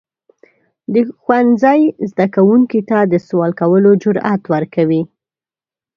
ښوونځی زده کوونکو ته د سوال کولو جرئت ورکوي.